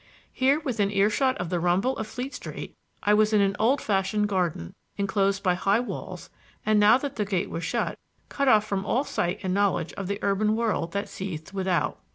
Here, within earshot of the rumble of Fleet Street, I was in an old fashioned garden enclosed by high walls and, now that the gate was shut, cut off from all sight and knowledge of the urban world that seethed without.